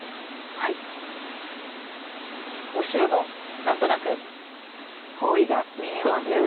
白の何となく包囲が見えますが。